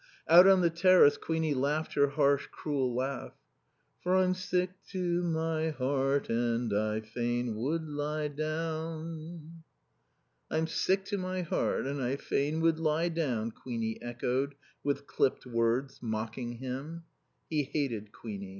Out on the terrace Queenie laughed her harsh, cruel laugh. "'For I'm sick to my heart and I fain would lie down.'" "'I'm sick to my heart and I fain would lie down,'" Queenie echoed, with clipped words, mocking him. He hated Queenie.